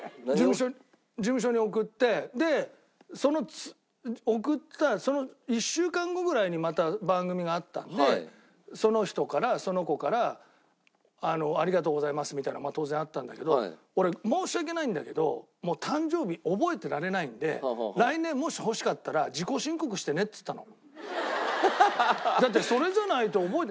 事務所に送ってでその送った１週間後ぐらいにまた番組があったんでその人からその子からありがとうございますみたいなまあ当然あったんだけど俺申し訳ないんだけど誕生日覚えてられないんでだってそれじゃないと覚えて。